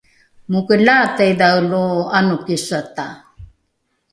mokelaata idhae lo ’anokisata?